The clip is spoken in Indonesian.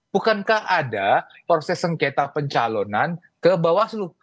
bukankah ada proses sengketa pencalonan ke bawaslu